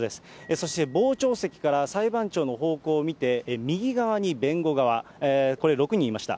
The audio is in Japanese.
そして傍聴席から裁判長の方向を見て右側に弁護側、これ、６人いました。